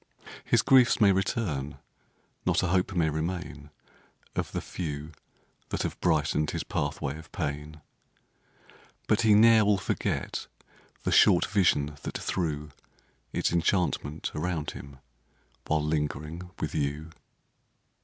5 His griefs may return, not a hope may remain Of the few that have brighten 'd his pathway of pain, But he ne'er will forget the short vision that threw Its enchantment around him, while lingering with you.